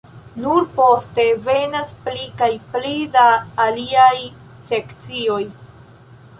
Nur poste venas pli kaj pli da aliaj sekcioj.